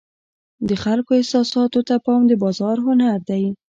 د خلکو احساساتو ته پام د بازار هنر دی.